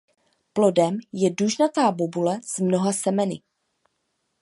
Plodem je dužnatá bobule s mnoha semeny.